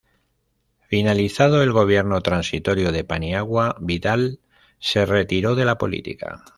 Finalizado el gobierno transitorio de Paniagua, Vidal se retiró de la política.